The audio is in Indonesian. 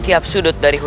tidak bisa diijo mereka